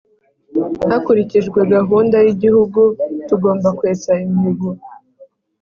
Hakurikijwe gahunda y’ igihugu tugomba kwesa imihigo